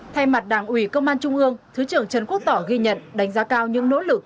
thay mặt đảng ủy công an trung ương thứ trưởng trần quốc tỏ ghi nhận đánh giá cao những nỗ lực